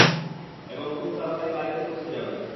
এবং খুব তাড়াতাড়ি বাড়িতে পৌঁছে যাবেন।